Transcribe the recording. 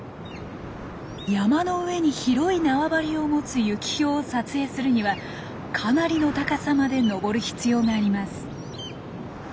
山の上に広い縄張りを持つユキヒョウを撮影するにはかなりの高さまで登る必要があります。